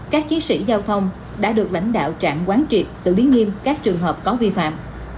các chiến sĩ giao thông đã được lãnh đạo trạm quán triệt xử lý nghiêm các trường hợp có vi phạm